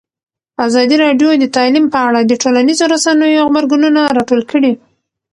ازادي راډیو د تعلیم په اړه د ټولنیزو رسنیو غبرګونونه راټول کړي.